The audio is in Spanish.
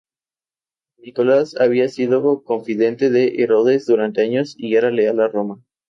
Nicolás había sido confidente de Herodes durante años, y era leal a Roma.